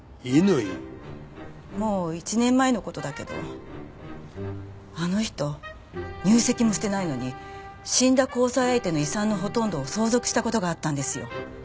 もう１年前の事だけどあの人入籍もしてないのに死んだ交際相手の遺産のほとんどを相続した事があったんですよ。